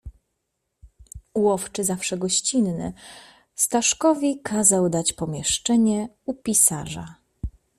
"Łowczy, zawsze gościnny, Staszkowi kazał dać pomieszczenie u pisarza."